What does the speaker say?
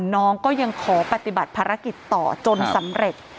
น้องก็ยังขอปฏิบัติภารกิจต่อจนสำเร็จ